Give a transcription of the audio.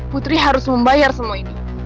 putri harus membayar semua ini